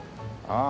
ああ。